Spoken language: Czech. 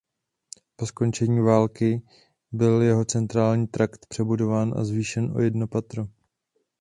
Po skončení války byl jeho centrální trakt přebudován a zvýšen o jedno patro.